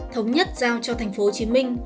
thống nhất giao cho tp hcm